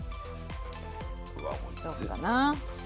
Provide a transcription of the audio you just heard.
どうかな。